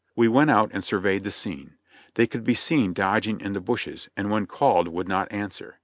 We went out and surveyed the scene. They could be seen dodging in the bushes, and when called would not answer.